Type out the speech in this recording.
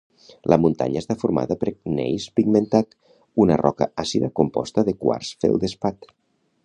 La muntanya està formada per gneis pigmentat, una roca àcida composta de quars-feldespat.